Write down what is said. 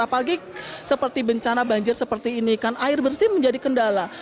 apalagi seperti bencana banjir seperti ini kan air bersih menjadi kendala